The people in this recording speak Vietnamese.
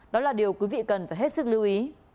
đó là điều quý vị cần phải hết sức lưu ý